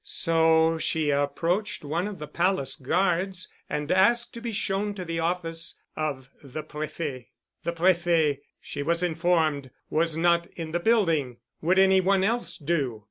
So she approached one of the palace guards and asked to be shown to the office of the Prefet. The Prefet, she was informed, was not in the building. Would any one else do?